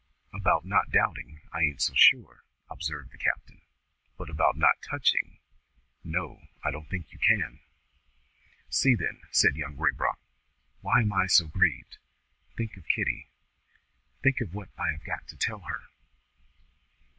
"About not doubting, I ain't so sure," observed the captain; "but about not touching no I don't think you can." "See then," said Young Raybrock, "why I am so grieved. Think of Kitty. Think what I have got to tell her!"